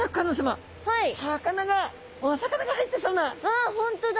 あっ本当だ。